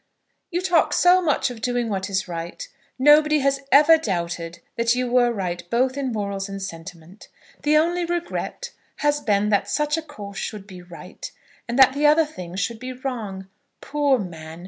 You talk so much of doing what is right! Nobody has ever doubted that you were right both in morals and sentiment. The only regret has been that such a course should be right, and that the other thing should be wrong. Poor man!